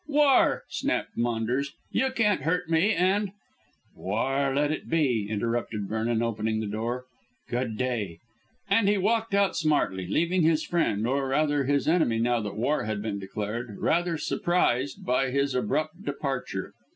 "War," snapped Maunders. "You can't hurt me and " "War let it be," interrupted Vernon, opening the door. "Good day," and he walked out smartly, leaving his friend, or, rather, his enemy, now that war had been declared, rather surprised by his abrupt departure.